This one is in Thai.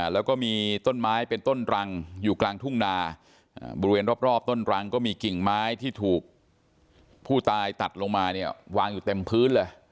แล้วก็มีต้นไม้เป็นต้นรังอยู่กลางทุ่งนาบริเวณรอบต้นรังก็มีกิ่งไม้ที่ถูกผู้ตายตัดลงมาเนี่ยวางอยู่เต็มพื้นเลย